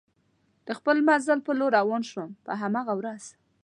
د خپل مزل په لور روان شوم، په هماغه ورځ.